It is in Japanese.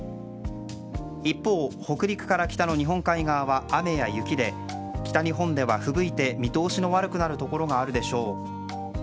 一方、北陸から北の日本海側は雨や雪で北日本ではふぶいて見通しの悪くなるところがあるでしょう。